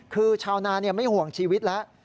คือชาวนาไม่ห่วงชีวิตแล้ว